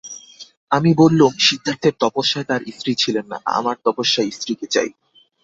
আমি বললুম, সিদ্ধার্থের তপস্যায় তাঁর স্ত্রী ছিলেন না, আমার তপস্যায় স্ত্রীকে চাই।